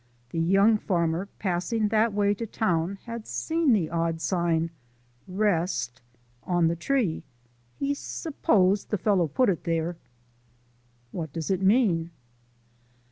the young farmer, passing that way to town, had seen the odd sign "Rest" on the tree: he s'posed the fellow put it there. "What does it mean?"